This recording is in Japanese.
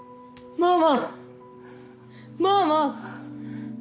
ママ！